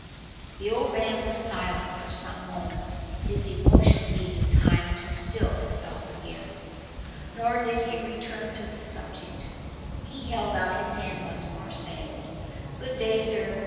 The old man was silent for some moments: his emotion needed time to still itself again. Nor did he return to the subject. He held out his hand once more, saying— "Good day, sir.